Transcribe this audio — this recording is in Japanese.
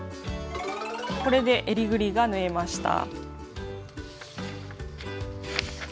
これでえりぐりが縫えました。